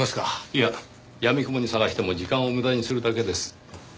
いややみくもに捜しても時間を無駄にするだけです。